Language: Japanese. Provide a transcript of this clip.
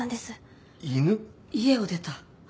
家を出た？